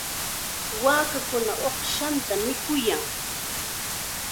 Waakakuna uqshatam mikuyan.